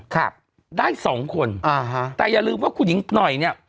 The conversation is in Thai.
ครับได้สองคนอ่าฮะแต่อย่าลืมว่าคุณหญิงหน่อยเนี้ย